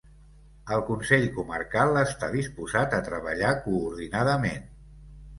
El Consell Comarcal està disposat a treballar coordinadament.